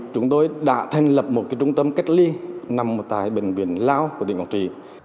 chúng tôi đã thành lập một trung tâm cách ly nằm tại bệnh viện lao của tỉnh quảng trị